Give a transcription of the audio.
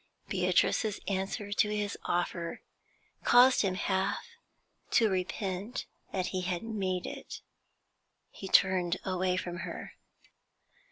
Beatrice's answer to his offer caused him half to repent that he had made it. He turned away from her.